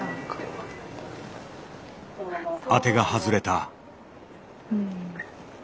当てが外れた。